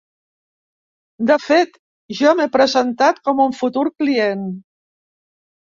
De fet, jo m'he presentat com un futur client.